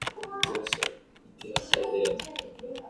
守りに入った